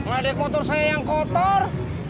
ada kotor saya yang kotor